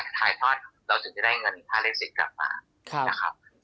ถ่ายทอดเราถึงจะได้เงินค่าลิขสิทธิ์กลับมานะครับ